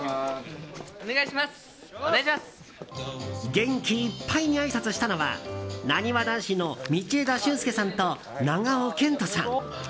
元気いっぱいにあいさつしたのはなにわ男子の道枝駿佑さんと長尾謙杜さん。